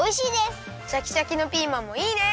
シャキシャキのピーマンもいいね！